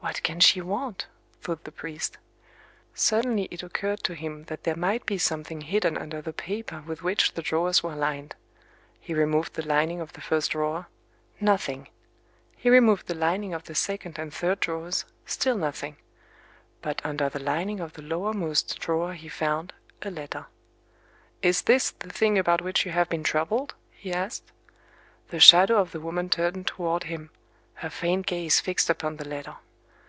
"What can she want?" thought the priest. Suddenly it occurred to him that there might be something hidden under the paper with which the drawers were lined. He removed the lining of the first drawer:—nothing! He removed the lining of the second and third drawers:—still nothing. But under the lining of the lowermost drawer he found—a letter. "Is this the thing about which you have been troubled?" he asked. The shadow of the woman turned toward him,—her faint gaze fixed upon the letter.